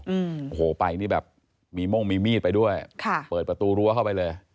อืมโอ้โหไปนี่แบบมีม่วงมีมีดไปด้วยค่ะเปิดประตูรั้วเข้าไปเลย